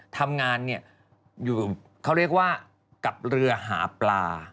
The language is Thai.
ทำงานอยู่เขาเรียกว่ากับเรือหาปลา